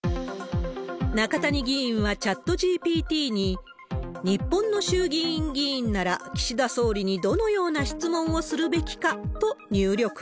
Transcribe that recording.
中谷議員はチャットＧＰＴに、日本の衆議院議員なら、岸田総理にどのような質問をするべきか？と入力。